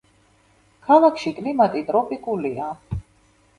ქალაქში კლიმატი ტროპიკულია.